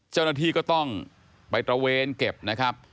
เจ้าหน้าที่ก็ต้องไปตระเวนเก็บนะครับ